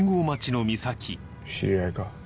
知り合いか？